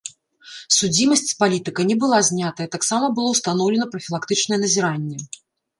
Судзімасць з палітыка не была знятая, таксама было ўстаноўлена прафілактычнае назіранне.